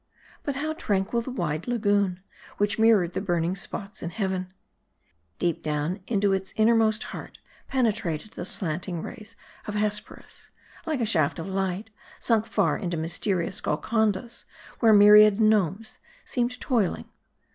But how tranquil the wide lagoon, which mirrored the burning spots in heaven ! Deep down into its innermost heart penetrated the slanting rays of Hesperus like a shaft of light, sunk far into mysterious Golcondas, where myriad MARDI. 211 gnomes seemed toiling.